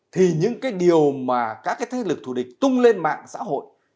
thì những cái điều mà các cái thế lực thù địch tung lên mạng xã hội